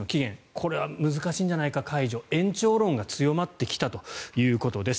これは解除は難しいんじゃないかと延長論が強まってきたということです。